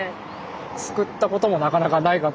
すくったこともなかなかないかと。